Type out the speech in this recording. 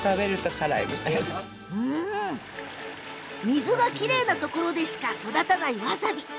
水がきれいなところでしか育たないわさび。